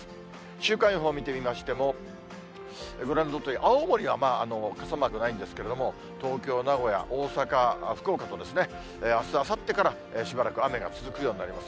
週間予報見てみましても、ご覧のとおり、青森は傘マークないんですけれども、東京、名古屋、大阪、福岡と、あす、あさってから、しばらく雨が続くようになります。